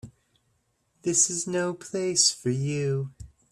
This is no place for you.